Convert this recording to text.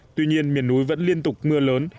tuy nhiên miền núi vẫn liên tục mưa lớn